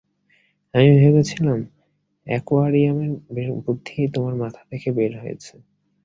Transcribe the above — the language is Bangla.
আমি ভেবেছিলাম অ্যাকোয়ারিয়ামের বুদ্ধি তোমার মাথা থেকে বের হয়েছে।